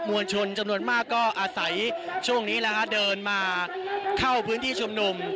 วลชนจำนวนมากก็อาศัยช่วงนี้นะฮะเดินมาเข้าพื้นที่ชุมนุม